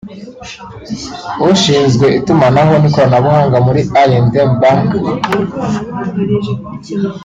ushinzwe itumanaho n’ikoranabuhanga muri I&M Bank